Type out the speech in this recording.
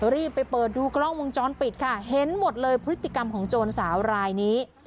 รีบไปเปิดดูกล้องวงจรปิดค่ะเห็นหมดเลยพฤติกรรมของโจรสาวรายนี้